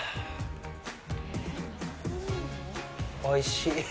おいしい。